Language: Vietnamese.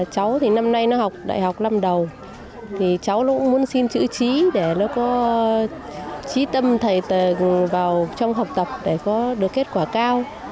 cháu thì năm nay nó học đại học lâm đầu cháu cũng muốn xin chữ trí để nó có trí tâm thầy tầng vào trong học tập để có được kết quả cao